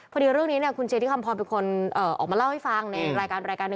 พอดีว่าเรื่องนี้คุณเชนที่คำพอบเป็นคนออกมาเล่าให้ฟังในรายการ